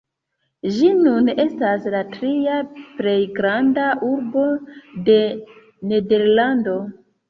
Ĝi nun estas la tria plej granda urbo de Nederlando.